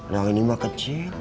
yang ini mah kecil